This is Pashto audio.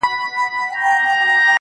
ستا د خولې سلام مي د زړه ور مات كړ.